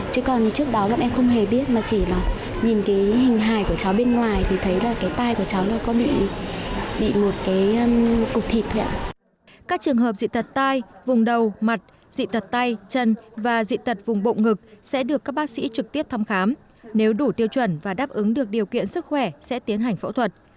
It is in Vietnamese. các trường hợp dị tật tai vùng đầu mặt dị tật tay chân và dị tật vùng bộng ngực sẽ được các bác sĩ trực tiếp thăm khám nếu đủ tiêu chuẩn và đáp ứng được điều kiện sức khỏe sẽ tiến hành phẫu thuật